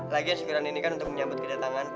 lagian syukuran ini kan untuk menyambut kedatanganku